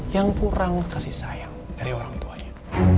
yang kurang kasih sayang dari orang tuanya